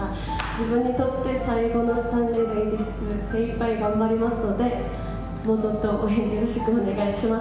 自分にとって最後の大会で精いっぱい頑張りますので、もうちょっと、よろしくお願いします。